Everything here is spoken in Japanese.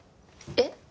えっ？